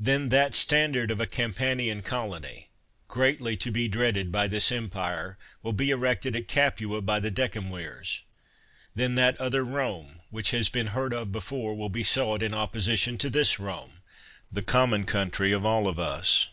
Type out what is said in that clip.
Then that standard of a Campanian colony, greatly to be dreaded by this empire, will be erected at Capua by the decemvirs. Then that other Rome, which has been heard of before, will be sought in opposition to this Rome, the com mon country of all of us.